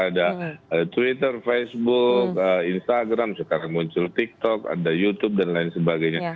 ada twitter facebook instagram sekarang muncul tiktok ada youtube dan lain sebagainya